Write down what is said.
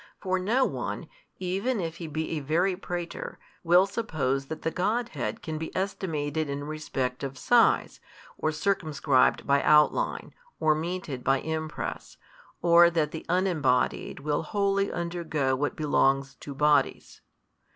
For no one, even if he be a very prater, will suppose that the Godhead can be estimated in respect of size, or circumscribed by outline, or meted by impress, or that the Unembodied will wholly undergo what belongs to bodies.